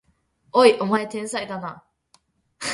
おい、お前天才だな！